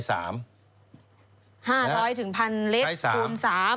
๕๐๐๑๐๐๐ลิตรปรุม๓